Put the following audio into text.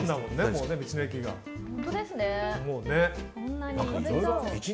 もう、道の駅がね。